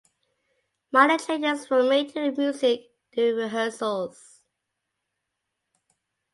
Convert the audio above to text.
Minor changes were made to the music during rehearsals.